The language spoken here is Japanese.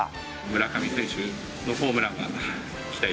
村上選手のホームランが期待